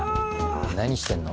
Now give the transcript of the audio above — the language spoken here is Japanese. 何してんの？